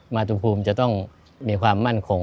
มาตุภูมิจะต้องมีความมั่นคง